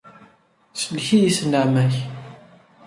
Sellek-iyi s nneɛma-k!